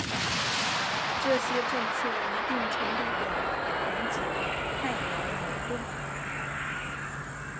这些政策一定程度的缓解了汉瑶矛盾。